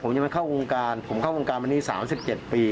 ผมยังมันเข้าโรงการผมเข้าโรงการทีนี้สามสิบเจ็ดปี